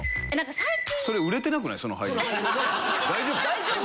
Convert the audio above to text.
大丈夫？